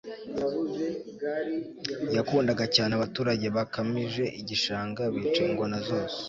yakundaga cyane. abaturage bakamije igishanga, bica ingona zose